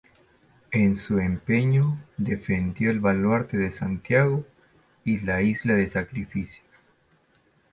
En su empeño defendió el Baluarte de Santiago y la Isla de Sacrificios.